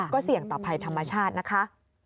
ก็เสี่ยงต่อภัยธรรมชาตินะคะ